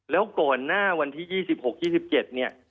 แล้วก่อนหน้าวันที่๒๖๒๗เนี่ย